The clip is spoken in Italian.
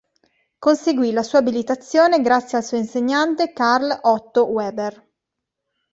Conseguì la sua abilitazione grazie al suo insegnante Karl Otto Weber.